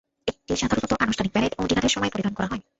এটি সাধারণত আনুষ্ঠানিক প্যারেড ও ডিনারের সময় পরিধান করা হয়।